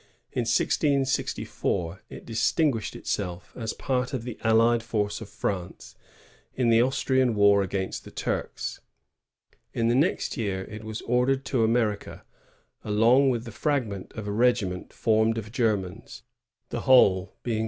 In 1664 it distinguished itself, as part of the allied force of France, in the Austrian war against the Turks. In the next year it was ordered to America, along with the fragment of a regiment formed of Germans, the whole being 1666.